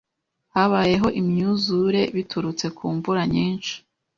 Habayeho imyuzure biturutse ku mvura nyinshi.